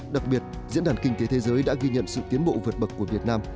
đặc biệt diễn đàn kinh tế thế giới đã ghi nhận sự tiến bộ vượt bậc của việt nam